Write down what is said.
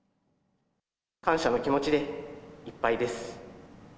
感謝の気持ちでいっぱいです。